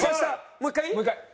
もう１回いい？